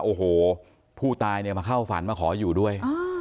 โอ้โหผู้ตายเนี่ยมาเข้าฝันมาขออยู่ด้วย